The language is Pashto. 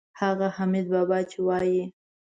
هغه حمیدبابا چې وایي.